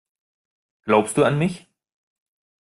Glaubst du an mich?